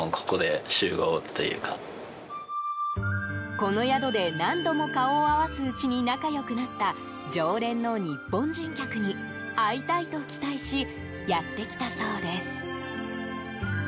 この宿で何度も顔を合わすうちに仲良くなった常連の日本人客に会いたいと期待しやってきたそうです。